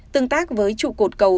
tương tác với trụ cột cầu